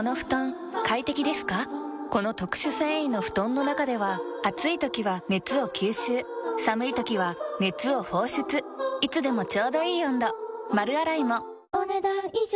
この特殊繊維の布団の中では暑い時は熱を吸収寒い時は熱を放出いつでもちょうどいい温度丸洗いもお、ねだん以上。